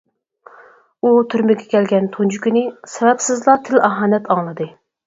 ئۇ تۈرمىگە كەلگەن تۇنجى كۈنى، سەۋەبسىزلا تىل-ئاھانەت ئاڭلىدى.